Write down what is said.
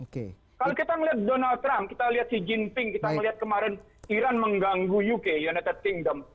kalau kita melihat donald trump kita lihat xi jinping kita melihat kemarin iran mengganggu uk united kingdom